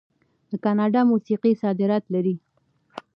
د کاناډا موسیقي صادرات لري.